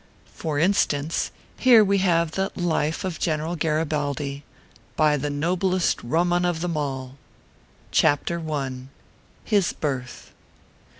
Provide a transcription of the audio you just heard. For instance, here we have the LIFE OF GENERAL GARIBALDI. BY THE NOBLEST RUM UN OF THE MALL. CHAPTER I. HIS BIRTH.